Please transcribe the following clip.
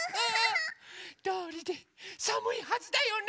どうりでさむいはずだよね。